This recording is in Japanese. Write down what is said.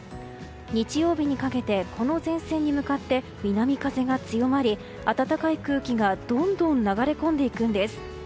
日曜日にかけてこの前線に向かって南風が強まり、暖かい空気がどんどん流れ込んでいくんです。